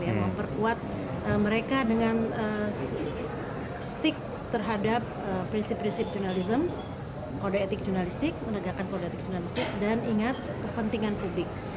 yang memperkuat mereka dengan stick terhadap prinsip prinsip jurnalism kode etik jurnalistik menegakkan kode etik jurnalistik dan ingat kepentingan publik